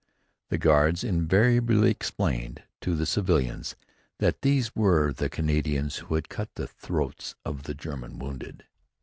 The guards invariably explained to the civilians that these were the Canadians who had cut the throats of the German wounded.